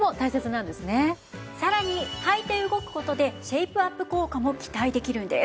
さらにはいて動く事でシェイプアップ効果も期待できるんです。